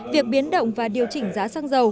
việc biến động và điều chỉnh giá xăng dầu